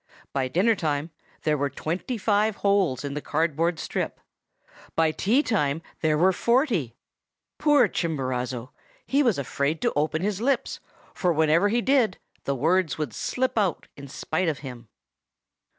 By dinner time there were twenty five holes in the cardboard strip; by tea time there were forty! Poor Chimborazo! he was afraid to open his lips, for whenever he did the words would slip out in spite of him.